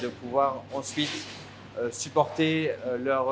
và có thể tiếp tục